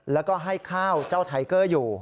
แล้วก็ให้ข้าวเจ้าไทเกอร์อยู่